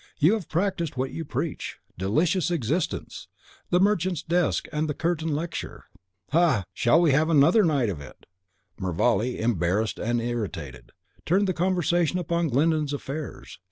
You have practised what you preach. Delicious existence! The merchant's desk and the curtain lecture! Ha! ha! Shall we have another night of it?" Mervale, embarrassed and irritated, turned the conversation upon Glyndon's affairs.